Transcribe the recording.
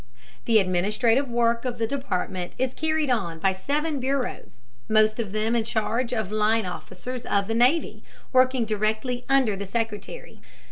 The administrative work of the Department is carried on by seven bureaus, most of them in charge of line officers of the Navy, working directly under the Secretary.